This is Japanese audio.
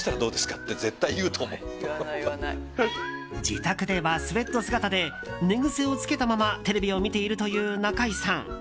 自宅ではスウェット姿で寝癖を付けたままテレビを見ているという中井さん。